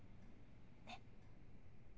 ねっ？